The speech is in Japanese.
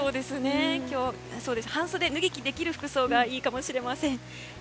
今日は半袖を脱ぎ着できる服装がいいかもしれません。